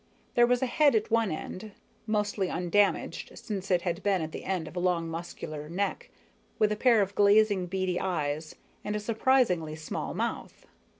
There was a head at one end, mostly undamaged since it had been at the end of a long muscular neck, with a pair of glazing beady eyes and a surprisingly small mouth.